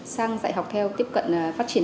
sang dạy học theo tiếp cận phát triển